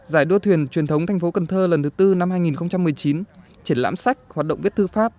giải đua thuyền truyền thống thành phố cần thơ lần thứ tư năm hai nghìn một mươi chín triển lãm sách hoạt động viết thư pháp